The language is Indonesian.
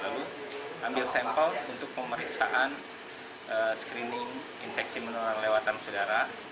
lalu ambil sampel untuk pemeriksaan screening infeksi menular lewat am sedara